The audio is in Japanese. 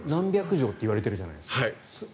何百錠っていわれているじゃないですか。